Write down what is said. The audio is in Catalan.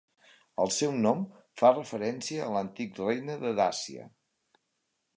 El seu nom fa referència a l'antic regne de Dàcia.